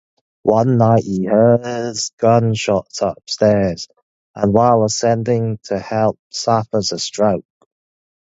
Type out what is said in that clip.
One night, he hears gunshots upstairs, and while ascending to help suffers a stroke.